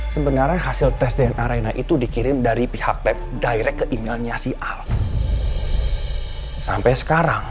sebenarnya hasil tes dna itu dikirim dari pihak lab direct ke emailnya si a sampai sekarang